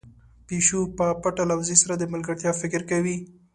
پيشو په پټه له وزې سره د ملګرتيا فکر کوي.